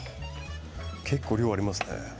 結構、量がありますね。